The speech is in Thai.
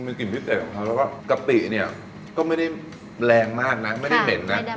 มีกลิ่นพิเศษของเขาแล้วก็กะปิเนี่ยก็ไม่ได้แรงมากนะไม่ได้เหม็นนะ